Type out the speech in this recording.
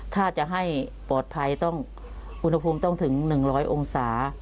ถ้าจะให้ปลอดภัยต้องอุณหภูมิต้องถึง๑๐๐องศา